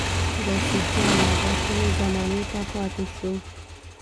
رشيد جانه دا کومې زمانې ته پاتې شو